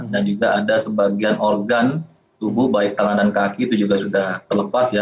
dan juga ada sebagian organ tubuh baik tangan dan kaki itu juga sudah terlepas ya